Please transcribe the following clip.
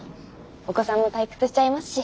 お子さんも退屈しちゃいますし。